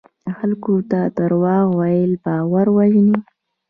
خلکو ته دروغ ویل باور وژني.